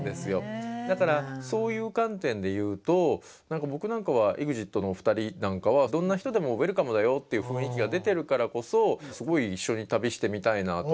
だからそういう観点で言うと僕なんかはＥＸＩＴのお二人なんかはどんな人でもウエルカムだよっていう雰囲気が出てるからこそすごい一緒に旅してみたいなと思うし。